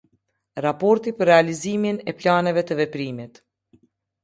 Raporti për Realizimin e Planeve të Veprimit.